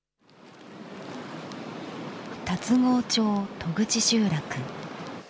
龍郷町戸口集落。